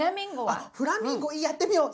あっフラミンゴやってみよう！